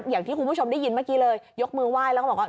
อย่างที่คุณผู้ชมได้ยินเมื่อกี้เลยยกมือไหว้แล้วก็บอกว่า